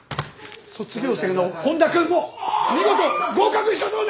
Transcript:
卒業生の本田君も見事合格したそうです。